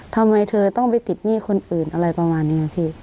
ทำไมเธอต้องไปติดหนี้คนอื่นอะไรประมาณนี้พี่